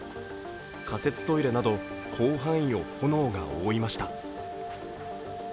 仮設トイレなど広範囲を炎が覆いました。